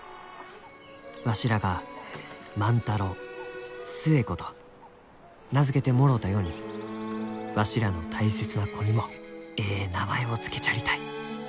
「わしらが『万太郎』『寿恵子』と名付けてもろうたようにわしらの大切な子にもえい名前を付けちゃりたい。